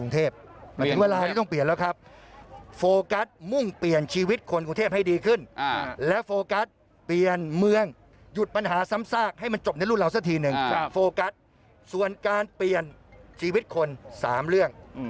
โทษเราอีกเราจะแย่